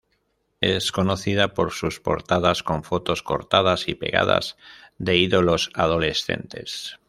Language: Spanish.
Es conocida por sus portadas con fotos 'cortadas y pegadas' de ídolos adolescentes.